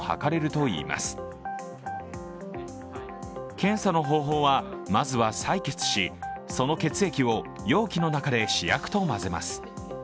検査の方法は、まずは採血し、その血液を容器の中で試薬と混ぜます。